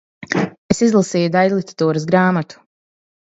Es izlasīju daiļliteratūras grāmatu.